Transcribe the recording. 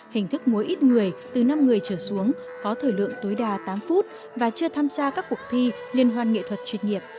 hình thức múa ít người từ năm người trở xuống có thời lượng tối đa tám phút và chưa tham gia các cuộc thi liên hoan nghệ thuật chuyên nghiệp